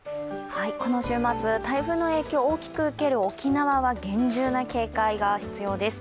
この週末、台風の影響大きく受ける沖縄は厳重な警戒が必要です。